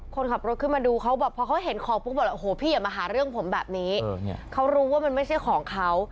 คนขับรถตอนมาดูเขาก็เห็นของ